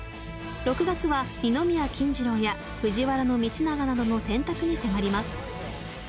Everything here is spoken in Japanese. ６月は二宮金次郎や藤原道長などの選択に迫ります。